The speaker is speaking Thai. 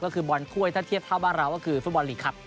ก็คือบอลถ้วยถ้าเทียบเท่าบ้านเราก็คือฟุตบอลลีกครับ